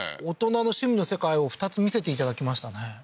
大人の趣味の世界を２つ見せていただきましたね